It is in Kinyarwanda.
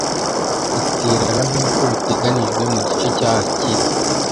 iterana nkuko biteganijwe mu gice cya kiri